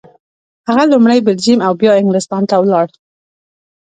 هغه لومړی بلجیم او بیا انګلستان ته ولاړ.